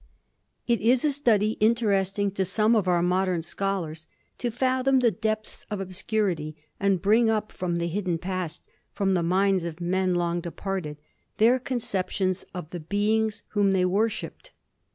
It is a study, interesting to some of our modern scholars, to fathom the depths of obscurity and bring up from the hidden past, from the minds of men long departed, their conceptions of the beings whom they worshiped.